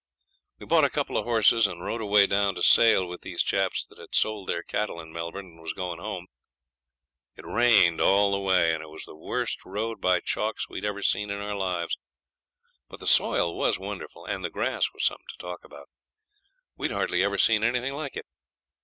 We bought a couple of horses, and rode away down to Sale with these chaps that had sold their cattle in Melbourne and was going home. It rained all the way, and it was the worst road by chalks we'd ever seen in our lives; but the soil was wonderful, and the grass was something to talk about; we'd hardly ever seen anything like it.